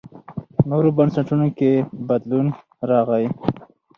نورو بنسټونو کې بدلون راغی.